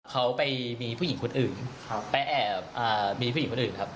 เขาไปมีผู้หญิงคนอื่นไปแอบมีผู้หญิงคนอื่นครับ